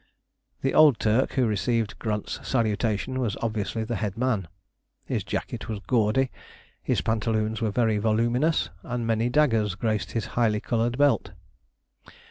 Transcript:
The old Turk, who received Grunt's salutation, was obviously the headman. His jacket was gaudy, his pantaloons were very voluminous, and many daggers graced his highly coloured belt.